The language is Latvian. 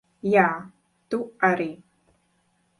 Jā, tu arī.